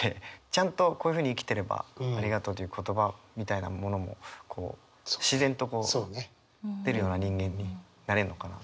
ちゃんとこういうふうに生きてれば「ありがとう」という言葉みたいなものもこう自然と出るような人間になれるのかな。